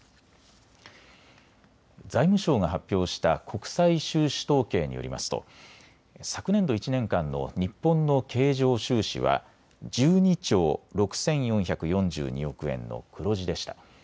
財務省が発表した国際収支統計によりますと昨年度１年間の日本の経常収支は１２兆６４４２億円の黒字でした。